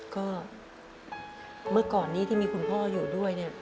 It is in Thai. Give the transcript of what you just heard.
ก็เมื่อก่อนนี้ที่มีคุณพ่ออยู่ด้วยเนี่ย